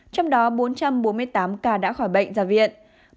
trong đó bốn trăm bốn mươi tám ca đã khỏi bệnh ra viện